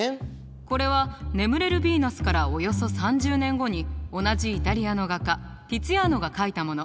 これは「眠れるヴィーナス」からおよそ３０年後に同じイタリアの画家ティツィアーノが描いたもの。